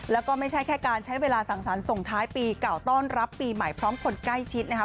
แล้วก็ไม่ใช่แค่การใช้เวลาสั่งสรรค์ส่งท้ายปีเก่าต้อนรับปีใหม่พร้อมคนใกล้ชิดนะครับ